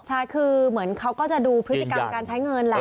ใช่คือเหมือนเขาก็จะดูพฤติกรรมการใช้เงินแหละ